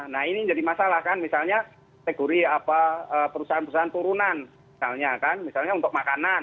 nah ini jadi masalah kan misalnya kategori perusahaan perusahaan turunan misalnya kan misalnya untuk makanan